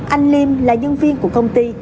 anh liêm là nhân viên của công ty